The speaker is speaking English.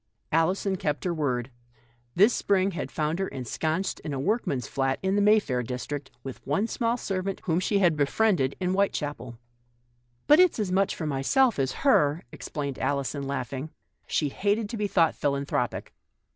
Alison kept her word. This spring had found her ensconced in a workman's flat in the Mayfair district, with one small servant whom she had rescued in Whitechapel. "But it's as much for myself as her," ex plained Alison, laughing. She hated to be thought philanthropic.